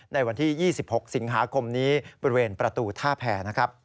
ในวันที่๒๖สิงหาคมนี้บริเวณประตูท่าแผ่นะครับ